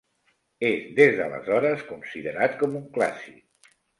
És des d'aleshores considerat com un clàssic.